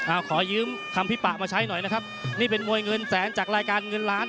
เอาขอยืมคำพี่ปะมาใช้หน่อยนะครับนี่เป็นมวยเงินแสนจากรายการเงินล้าน